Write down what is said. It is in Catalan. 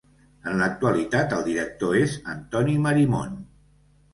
En l'actualitat el director és Antoni Marimon.